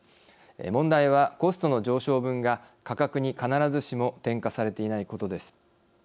問題は、コストの上昇分が価格に必ずしも転嫁されていないことです。